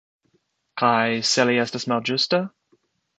Kaj se li estas la malĝusta?